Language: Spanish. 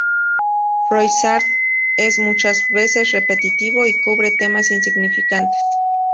Froissart es muchas veces repetitivo y cubre temas insignificantes.